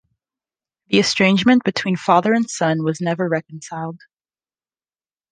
The estrangement between father and son was never reconciled.